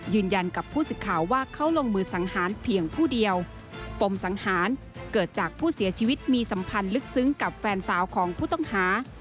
ยืนยันกับผู้สื่อข่าวว่าเขาลงมือสังหารเพียงผู้เดียวปมสังหารเกิดจากผู้เสียชีวิตมีสัมพันธ์ลึกซึ้งกับแฟนสาวของผู้ต้องหา